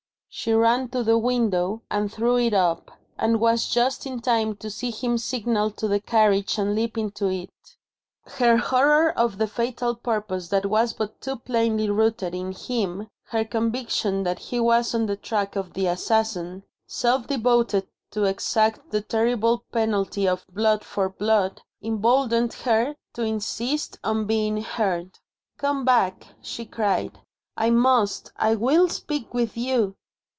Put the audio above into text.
She ran to the window, and threw it up and was just in time to see him signal to the carriage and leap into it. Her horror of the fatal purpose that was but too plainly rooted in him her conviction that he was on the track of the assassin, self devoted to exact the terrible penalty of blood for blood emboldened her to insist on being heard. "Come back," she cried. "I must, I will, speak with you."